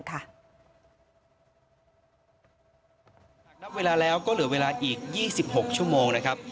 หากนับเวลาแล้วก็เหลือเวลาอีก๒๖ชั่วโมงนะครับ